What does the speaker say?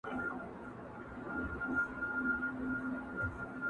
زما تېر سوي ژوند د ژوند پــه معـــــــــــنـا!